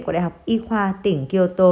của đại học y khoa tỉnh kyoto